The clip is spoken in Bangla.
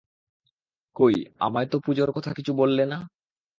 কই আমায় তো পুজোর কথা কিছু বললে না।